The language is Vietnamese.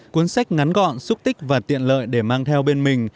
cuốn sách ngắn gọn xúc tích và tiện lợi để mang theo bên mình